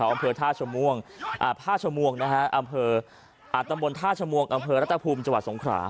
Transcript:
อำเภอท่าชมวงอำเภออาตมนต์ท่าชมวงอำเภอรัตนภูมิจังหวัดสงขรา